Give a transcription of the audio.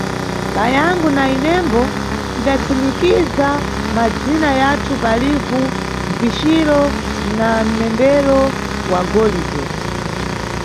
Bayangu na inembo tidatsimikiza madzina yathu pa livu mpiciro na mnembero wa golide.